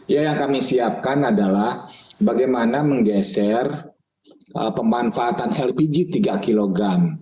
ya yang kami siapkan adalah bagaimana menggeser pemanfaatan lpg tiga kg